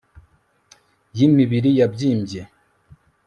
y'imibiri yabyimbye